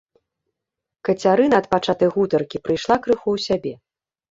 Кацярына ад пачатай гутаркі прыйшла крыху ў сябе.